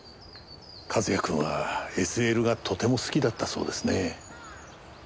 和也君はＳＬがとても好きだったそうですね。